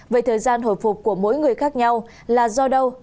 về thời gian hồi phục của mỗi người khác nhau là do đâu